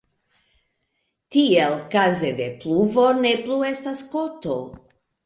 Tiel kaze de pluvo ne plu estas koto.